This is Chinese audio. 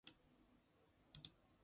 索维尼。